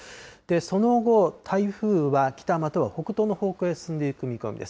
その後、台風は北または北東の方向へ進んでいく見込みです。